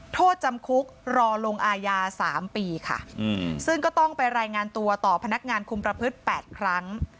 โทษจำคุกรอลงอายา๓ปีค่ะซึ่งก็ต้องไปรายงานตัวต่อพนักงานคุมประพฤติ๘ครั้ง